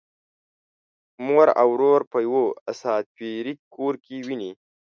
مور او ورور په یوه اساطیري کور کې ويني.